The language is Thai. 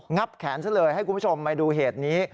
ับแขนซะเลยให้คุณผู้ชมมาดูเหตุนี้